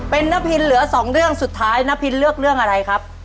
เป็นน้าพินเหลือสองเรื่องสุดท้ายน้าพินเลือกเรื่องอะไรครับ